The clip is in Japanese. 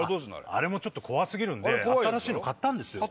あれも怖過ぎるんで新しいの買ったんですよ。